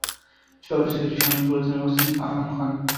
চলচ্চিত্রটির সঙ্গীত পরিচালনা করেছেন আলম খান।